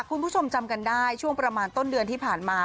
คุณผู้ชมจำกันได้ช่วงประมาณต้นเดือนที่ผ่านมา